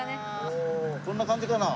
こんな感じかな？